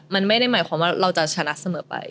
มันไม่ได้หมายความว่าเราจะชนะเสมอไป